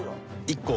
１個。